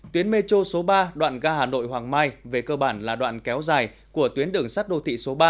tuyến metro số ba đoạn ga hà nội hoàng mai về cơ bản là đoạn kéo dài của tuyến đường sắt đô thị số ba